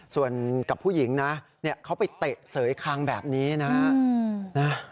ส่วนกับผู้หญิงนะเขาไปเตะเสยคางแบบนี้นะฮะ